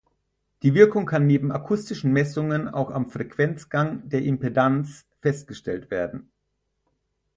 Die Wirkung kann neben akustischen Messungen auch am Frequenzgang der Impedanz festgestellt werden.